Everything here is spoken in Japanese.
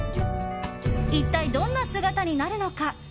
一体どんな姿になるのか？